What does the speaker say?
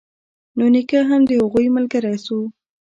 نو نيکه هم د هغه ملگرى سو.